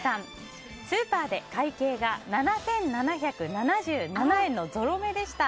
スーパーで会計が７７７７円のぞろ目でした。